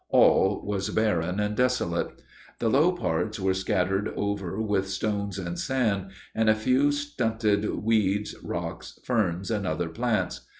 All was barren and desolate. The low parts were scattered over with stones and sand, and a few stunted weeds, rocks, ferns, and other plants.